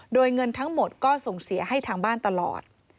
โดยเงินทั้งหมดก็ส่งเสียให้ทางบ้านตลอด